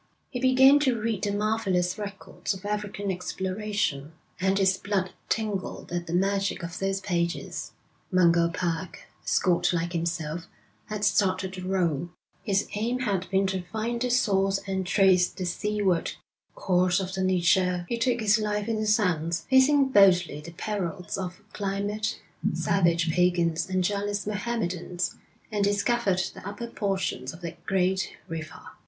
He began to read the marvellous records of African exploration, and his blood tingled at the magic of those pages. Mungo Park, a Scot like himself, had started the roll. His aim had been to find the source and trace the seaward course of the Niger. He took his life in his hands, facing boldly the perils of climate, savage pagans, and jealous Mohammedans, and discovered the upper portions of that great river.